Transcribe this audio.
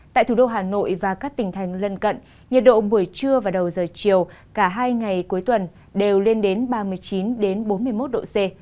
tại thủ đô hà nội và các tỉnh thành lân cận nhiệt độ buổi trưa và đầu giờ chiều cả hai ngày cuối tuần đều lên đến ba mươi chín bốn mươi một độ c